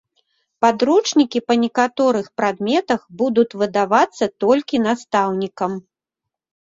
Падручнікі па некаторых прадметах будуць выдавацца толькі настаўнікам.